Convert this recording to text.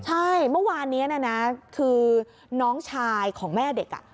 ใช่เมื่อวานนี้นะคือน้องชายของแม่เด็ก